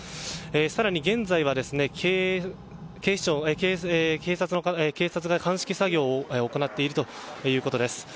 更に現在は警察が鑑識作業を行っているということです。